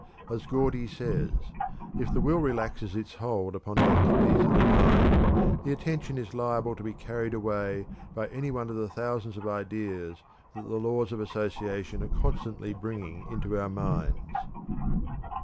As Gordy says: "If the will relaxes its hold upon the activities of the mind, the attention is liable to be carried away by any one of the thousands of ideas that the laws of association are constantly bringing into our minds."